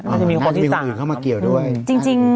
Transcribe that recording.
น่าจะมีคนอื่นเข้ามาเกี่ยวด้วยคุณตัวละครจริง